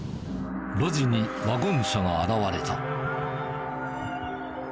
路地にワゴン車が現れた。